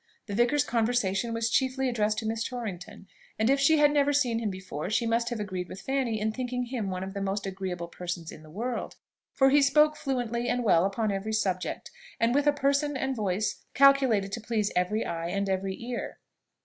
The vicar's conversation was chiefly addressed to Miss Torrington; and if she had never seen him before, she must have agreed with Fanny in thinking him one of the most agreeable persons in the world for he spoke fluently and well upon every subject, and with a person and voice calculated to please every eye and every ear.